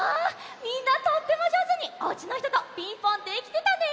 みんなとってもじょうずにおうちのひとと「ピンポン」できてたね！